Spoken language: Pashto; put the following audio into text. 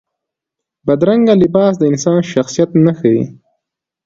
بدرنګه لباس د انسان شخصیت نه ښيي